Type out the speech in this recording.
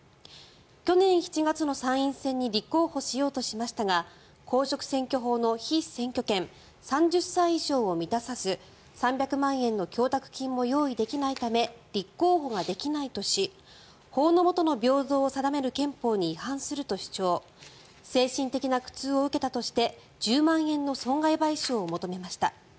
去年７月の参院選に立候補しようとしましたが公職選挙法の被選挙権３０歳以上を満たさず３００万円の供託金も用意できないため立候補ができないとし法のもとの平等を定める憲法に違反すると主張精神的な苦痛を受けたとして１０万円の損害賠償を求めました。